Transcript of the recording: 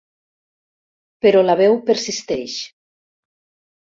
Però la veu persisteix.